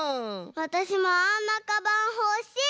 わたしもあんなかばんほしい！